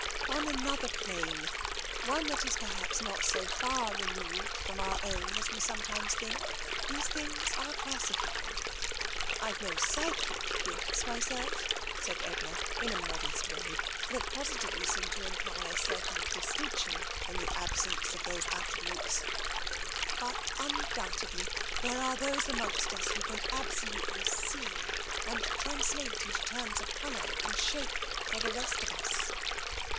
On another plane — on that is perhaps not so far removed from our own as we sometimes think — these things are classified. I have no psychic gifts myself/' said Edna, in a modest way that positively seemed to imply a certain distinc tion in the absence of those attributes, " but undoubt edly there are those amongst us who can absolutely see and translate into terms of colour and shape for the rest of us."